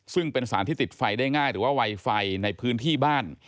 ซึ่งเป็นสารที่ติดไฟได้ง่ายหรือว่าไวไฟในพื้นที่บ้าน